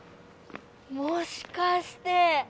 もしかして！